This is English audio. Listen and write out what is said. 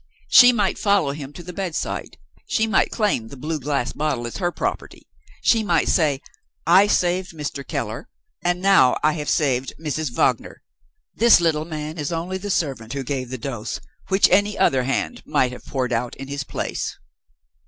She might follow him to the bedside; she might claim the blue glass bottle as her property; she might say, "I saved Mr. Keller; and now I have saved Mrs. Wagner. This little man is only the servant who gave the dose, which any other hand might have poured out in his place."